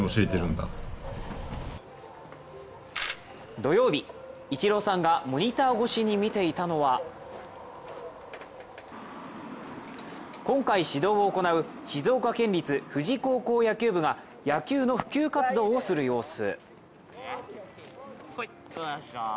土曜日、イチローさんがモニター越しに見ていたのは今回指導を行う静岡県立富士高校野球部が野球の普及活動をする様子。